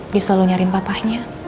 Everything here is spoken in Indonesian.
dia selalu nyari papahnya